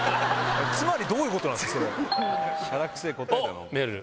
つまりどういうことなんですめるる。